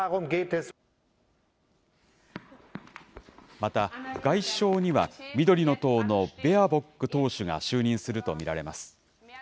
また、外相には緑の党のベアボック党首が就任すると見られます。